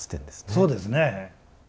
そうですね。